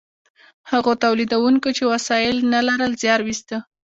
هغو تولیدونکو چې وسایل نه لرل زیار ویسته.